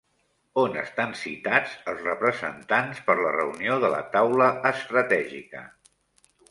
On estan citats els representants per la reunió de la Taula Estratègica?